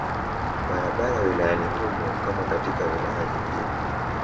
Barabara wilayani humo kama katika wilaya nyingine